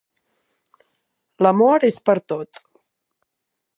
L'amor és per tot.